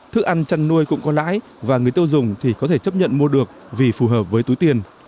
thức ăn chăn nuôi cũng có lãi và người tiêu dùng thì có thể chấp nhận mua được vì phù hợp với túi tiền